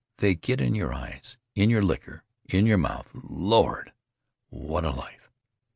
They get in your eyes, in your liquor, in your mouth — Lord! What a life!'